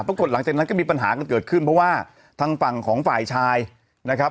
หลังจากนั้นก็มีปัญหากันเกิดขึ้นเพราะว่าทางฝั่งของฝ่ายชายนะครับ